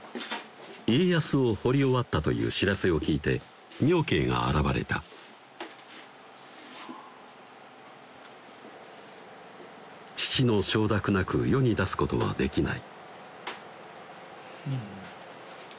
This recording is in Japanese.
家康を彫り終わったという知らせを聞いて明慶が現れた父の承諾なく世に出すことはできない